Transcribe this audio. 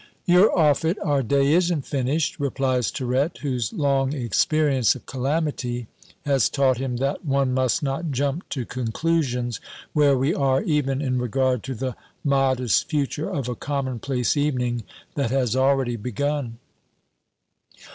"You're off it; our day isn't finished," replies Tirette, whose long experience of calamity has taught him that one must not jump to conclusions, where we are, even in regard to the modest future of a commonplace evening that has already begun.